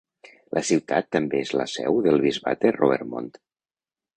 La ciutat també és la seu del bisbat de Roermond.